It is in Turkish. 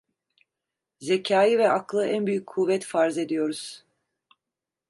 Zekayı ve aklı en büyük kuvvet farz ediyoruz.